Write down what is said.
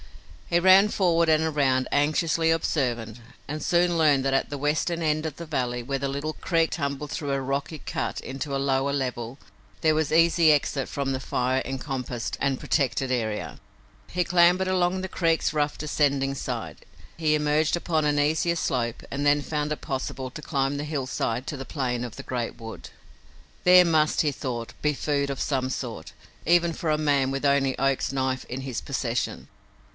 He ran forward and around, anxiously observant, and soon learned that at the western end of the valley, where the little creek tumbled through a rocky cut into a lower level, there was easy exit from the fire encompassed and protected area. He clambered along the creek's rough, descending side. He emerged upon an easier slope and then found it possible to climb the hillside to the plane of the great wood. There must, he thought, be food of some sort, even for a man with only Oak's knife in his possession!